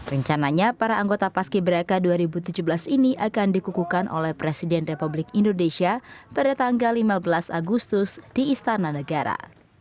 rencananya para anggota paski beraka dua ribu tujuh belas ini akan dikukukan oleh presiden republik indonesia pada tanggal lima belas agustus di istana negara